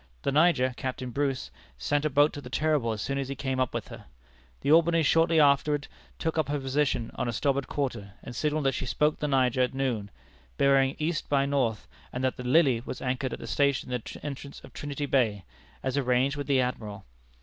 The Niger, Captain Bruce, sent a boat to the Terrible as soon as he came up with her. The Albany shortly afterward took up her position on our starboard quarter, and signalled that she spoke the Niger at noon, bearing E. by N., and that the Lily was anchored at the station in the entrance of Trinity Bay, as arranged with the Admiral.